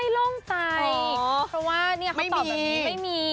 โล่งใจเข้าว่าเขาแบบนึงไม่มี